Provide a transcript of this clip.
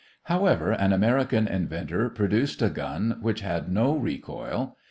However, an American inventor produced a gun which had no recoil.